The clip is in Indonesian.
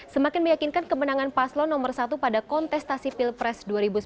semakin meyakinkan kemenangan paslon nomor satu pada kontestasi pilpres dua ribu sembilan belas